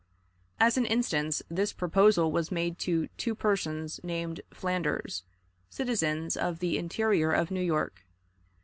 As an instance, this proposal was made to two persons named Flanders, citizens of the interior of New York.